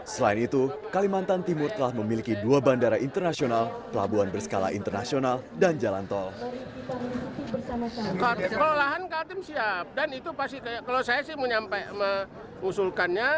selain itu kalimantan timur telah memiliki dua bandara internasional pelabuhan berskala internasional dan jalan tol